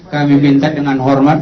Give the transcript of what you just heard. kami minta dengan hormat